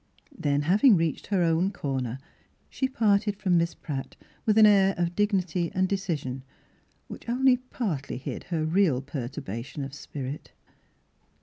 Then having reached her own corner, she parted from Miss Pratt with an air of dignity and decision, which only partly hid her real perturbation of spirit.